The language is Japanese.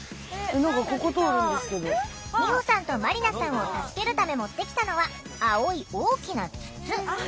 みほさんとまりなさんを助けるため持ってきたのは青い大きな筒。